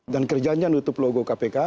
dan kerjanya nutup logo kpk